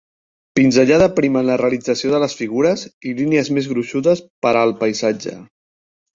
Pinzellada prima en la realització de les figures i línies més gruixudes per al paisatge.